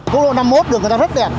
cố lộ năm mươi một đường người ta rất đẹp